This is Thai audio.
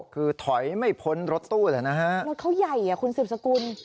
คือถอยไม่พ้นรถตู้เลยนะฮะรถเขาใหญ่อ่ะคุณสืบสกุล